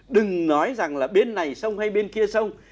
đừng nói rằng là bên này sông hay bên kia sông